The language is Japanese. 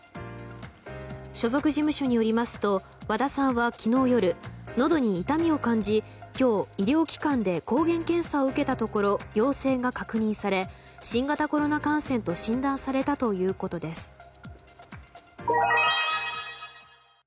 所属事務所によりますと和田さんは昨日夜のどに痛みを感じ今日、医療機関で抗原検査を受けたところ陽性が確認され新型コロナ感染と診断されたということです。